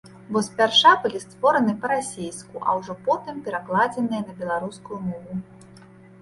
Бо спярша былі створаны па-расейску, а ўжо потым перакладзеныя на беларускую мову.